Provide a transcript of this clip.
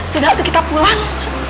sudah tuh kita pulang